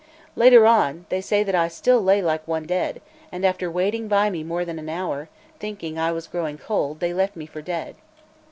Later on, they say I lay still like one dead; and after waiting by me more than an hour, thinking I was growing cold, they left me for dead.